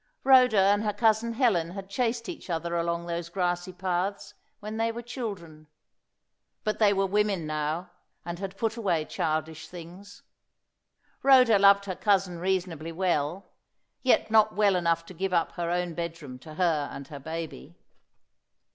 Rhoda and her cousin Helen had chased each other along those grassy paths when they were children. But they were women now, and had put away childish things. Rhoda loved her cousin reasonably well, yet not well enough to give up her own bedroom to her and her baby.